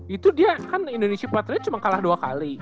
itu dia kan indonesia baterai cuma kalah dua kali